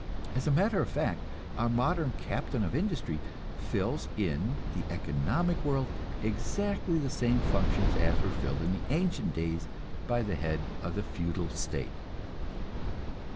As a matter of fact, our modern captain of industry fills in the economic world exactly the same functions as were filled in ancient days by the head of a feudal state.